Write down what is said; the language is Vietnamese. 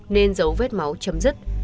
nên dấu vết máu chấm dứt